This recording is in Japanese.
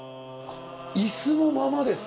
椅子もままです！